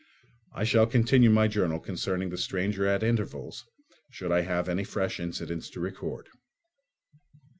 I shall continue my journal concerning the stranger at intervals, should I have any fresh incidents to record.